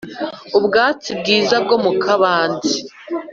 Ubwatsi bwiza bwo mu kabande